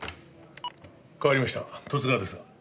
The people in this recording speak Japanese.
代わりました十津川ですが。